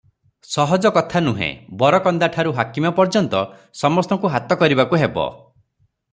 ସହଜ କଥା ନୁହେଁ, ବରକନ୍ଦାଠାରୁ ହାକିମ ପର୍ଯ୍ୟନ୍ତ ସମସ୍ତଙ୍କୁ ହାତ କରିବାକୁ ହେବ ।